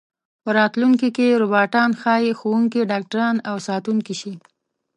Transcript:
په راتلونکي کې روباټان ښايي ښوونکي، ډاکټران او ساتونکي شي.